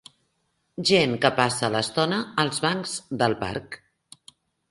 Gent que passa l'estona als bancs del parc.